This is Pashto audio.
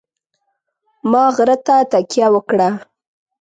ما غره ته تکیه وکړه.